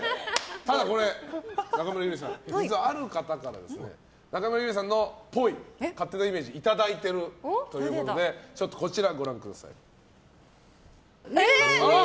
ただこれ、中村ゆりさん実は、ある方から中村ゆりさんの、っぽい勝手なイメージをいただいているということでちょっとこちらご覧ください。